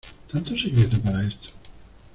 ¿ tanto secreto para esto?